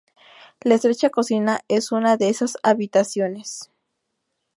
La estrecha cocina es una de esas habitaciones.